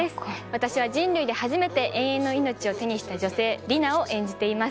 私は人類で初めて永遠の命を手にした女性リナを演じています。